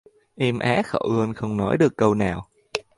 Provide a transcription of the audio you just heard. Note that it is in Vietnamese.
Em á khẩu luôn không nói được câu nào